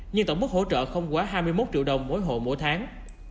nhưng tổng mức hỗ trợ không quá hai mươi một triệu đồng mỗi hộ mỗi tháng